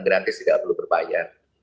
gratis tidak perlu berbayar